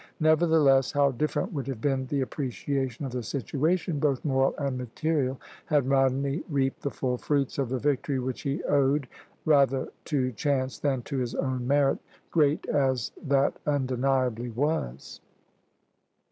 Nevertheless, how different would have been the appreciation of the situation, both moral and material, had Rodney reaped the full fruits of the victory which he owed rather to chance than to his own merit, great as that undeniably was.